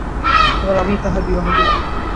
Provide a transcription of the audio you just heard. এবার আমিই তাঁহার বিবাহ দিলাম।